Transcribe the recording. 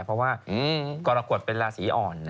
เพราะว่ากรกฎเป็นราศีอ่อน